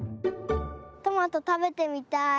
トマトたべてみたい。